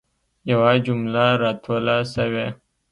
یوه جمله را توله سوي.